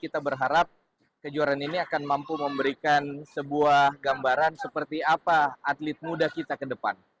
kita berharap kejuaraan ini akan mampu memberikan sebuah gambaran seperti apa atlet muda kita ke depan